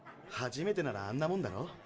初めてならあんなもんだろ。